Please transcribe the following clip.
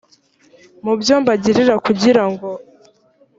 mu byo mbagirira kugira ngo